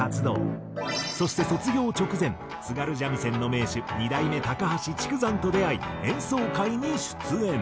そして卒業直前津軽三味線の名手二代目高橋竹山と出会い演奏会に出演。